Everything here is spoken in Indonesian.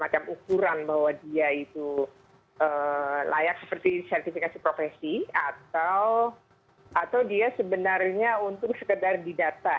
mereka bisa mencari data bahwa dia itu layak seperti sertifikasi profesi atau dia sebenarnya untuk sekedar didata